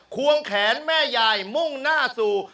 ควงแขนแม่ยายมุ่งหน้าสู่